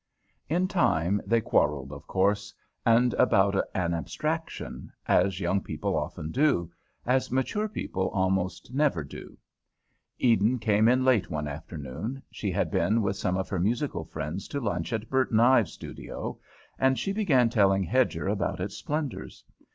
VI In time they quarrelled, of course, and about an abstraction, as young people often do, as mature people almost never do. Eden came in late one afternoon. She had been with some of her musical friends to lunch at Burton Ives' studio, and she began telling Hedger about its splendours.